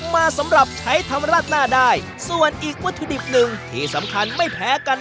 มาสำหรับใช้ทำราดหน้าได้ส่วนอีกวัตถุดิบหนึ่งที่สำคัญไม่แพ้กัน